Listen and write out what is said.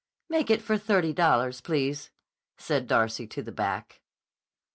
"Make it for thirty dollars, please," said Darcy to the back.